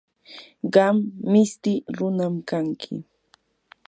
qam mishti runam kanki.